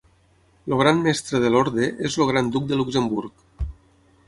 El Gran Mestre de l'Orde és el Gran Duc de Luxemburg.